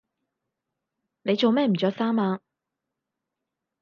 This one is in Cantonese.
你做咩唔着衫呀？